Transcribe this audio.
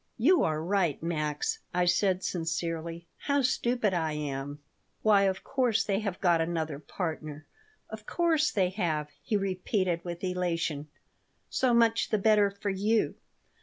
"You are right, Max," I said, sincerely. "How stupid I am." "Why, of course they have got another partner. Of course they have," he repeated, with elation. "So much the better for you.